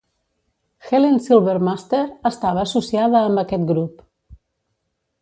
Helen Silvermaster estava associada amb aquest grup.